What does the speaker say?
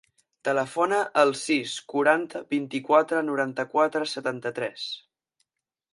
Telefona al sis, quaranta, vint-i-quatre, noranta-quatre, setanta-tres.